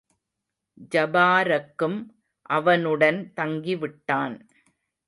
ஜபாரக்கும் அவனுடன் தங்கிவிட்டான்.